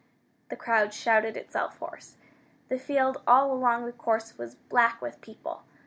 The crowd shouted itself hoarse. The field all along the course was black with people.